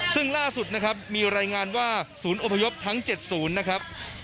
ซึ่งล่าสุดนะครับมีรายงานว่าศูนย์อพยพทั้ง๗ศูนย์นะครับ